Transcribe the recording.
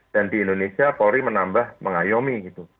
dan di indonesia polri menambah mengayomi